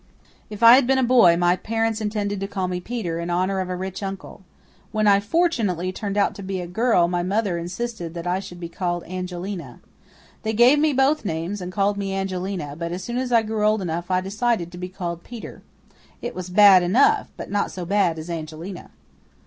"If I had been a boy my parents intended to call me Peter in honour of a rich uncle. When I fortunately turned out to be a girl my mother insisted that I should be called Angelina. They gave me both names and called me Angelina, but as soon as I grew old enough I decided to be called Peter. It was bad enough, but not so bad as Angelina."